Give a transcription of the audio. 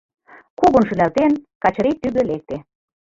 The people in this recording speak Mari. Кугун шӱлалтен, Качырий тӱгӧ лекте.